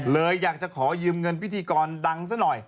เลยอยากจะขอยืมเงินพิธีกรดังซะหน่อย